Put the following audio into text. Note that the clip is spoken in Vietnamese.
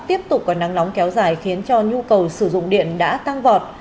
tiếp tục có nắng nóng kéo dài khiến cho nhu cầu sử dụng điện đã tăng vọt